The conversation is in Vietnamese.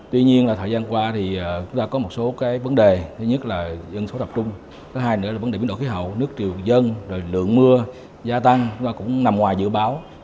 thì chúng ta có một số vấn đề thứ nhất là dân số tập trung thứ hai nữa là vấn đề biến đổi khí hậu nước triều dân lượng mưa gia tăng cũng nằm ngoài dự báo